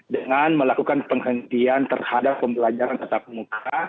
dengan melakukan penghentian terhadap pembelajaran kata pemuka